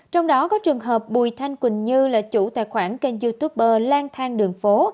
trong đó có trường hợp bùi thanh quỳnh như là chủ tài khoản kênh youtuber lang thang đường phố